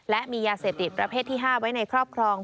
และมียาเสพติดประเภทที่๕ไว้ในครอบครอง